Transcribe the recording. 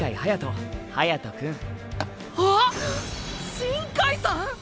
“新開”さん